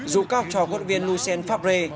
dù các học trò quốc viên lucien fabré